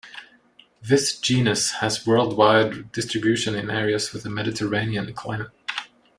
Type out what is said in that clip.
This genus has worldwide distribution in areas with a Mediterranean climate.